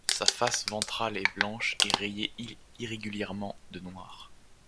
Sa face ventrale est blanche et rayée irrégulièrement de noir.